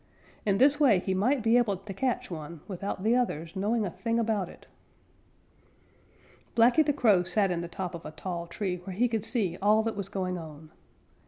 In this way he might be able to catch one without the others knowing a thing about it. Blacky the Crow sat in the top of a tall tree where he could see all that was going on.